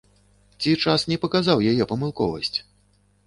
Ці час не паказаў яе памылковасць?